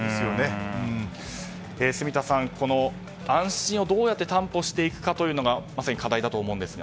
住田さん、安心をどうやって担保していくかがまさに課題だと思うんですが。